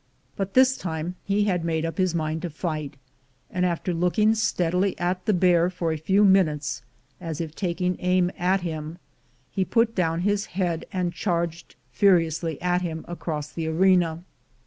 But this time he had made up his mind to fight; and after looking steadily at the bear for a few minutes as if taking aim at him, he put down his head and charged furi ously at him across the arena.